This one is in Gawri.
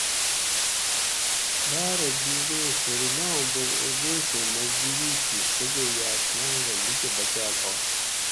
لارہ بِڛدمو خیرلو آں بوب اڑ دوسیں مزدیری تھی سجہ یا شان رہ لیکہ بچاۤل آش